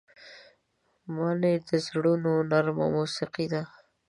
مني د زړونو نرمه موسيقي ده